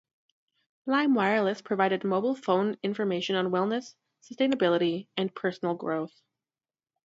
Lime Wireless provided mobile phone information on wellness, sustainability and personal growth.